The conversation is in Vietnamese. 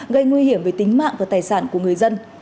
gây nguy hiểm về tính mạng và tài sản của người dân